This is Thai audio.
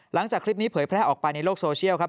หลังจากคลิปนี้เผยแพร่ออกไปในโลกโซเชียลครับ